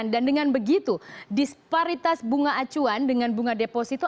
dan dengan begitu disparitas bunga acuan dengan bunga deposito